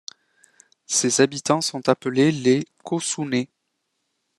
Ses habitants sont appelés les Caussounais.